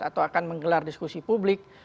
atau akan menggelar diskusi publik